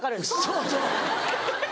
そうそう。